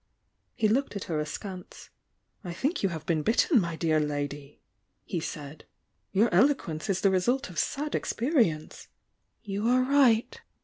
He looked at her askance. _ "I think you have been bitten, my dear lady!" he said. "Your eloquence is the result of sad experi ence!" "You are right!"